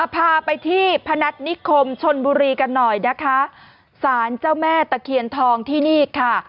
พาไปที่พนัฐนิคมชนบุรีกันหน่อยนะคะสารเจ้าแม่ตะเคียนทองที่นี่ค่ะ